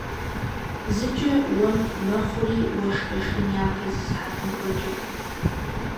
Зыкӏэ уэм мэхъури уэшх къешхын япэ зы сыхьэт ныкъуэкӏэ!